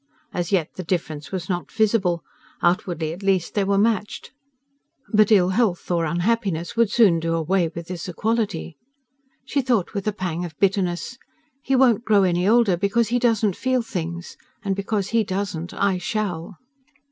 As yet the difference was not visible; outwardly at least they were matched; but ill health or unhappiness would soon do away with this equality. She thought with a pang of bitterness: "He won't grow any older because he doesn't feel things; and because he doesn't, I SHALL..."